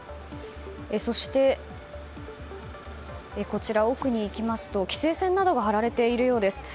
そして、奥に行きますと規制線などが張られているようです。